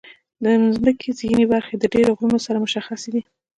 د مځکې ځینې برخې د ډېرو غرونو سره مشخصې دي.